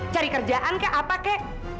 cari kerjaan kak apa kak